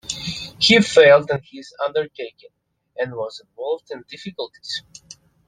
He failed in his undertaking, and was involved in difficulties.